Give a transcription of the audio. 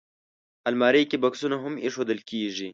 الماري کې بکسونه هم ایښودل کېږي